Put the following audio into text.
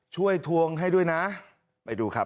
ทวงให้ด้วยนะไปดูครับ